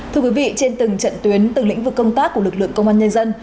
thưa quý vị trên từng trận tuyến từng lĩnh vực công tác của lực lượng công an nhân dân